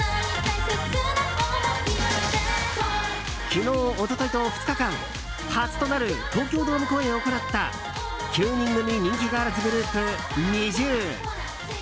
昨日、一昨日と２日間初となる東京ドーム公演を行った９人組人気ガールズグループＮｉｚｉＵ。